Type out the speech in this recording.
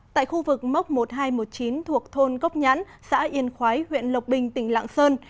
tại khu vực mốc một nghìn hai trăm một mươi chín thuộc thôn cốc nhắn xã yên khói huyện lộc bình tỉnh lạng sơn